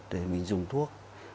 để mình dùng thuốc